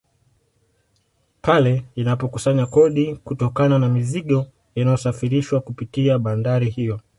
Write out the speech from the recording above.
Pale inapokusanya kodi kutokana na mizigo inayosafirishwa kupitia bandari hiyo